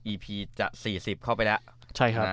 พีจะ๔๐เข้าไปแล้ว